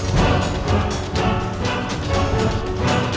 pak pak pak pak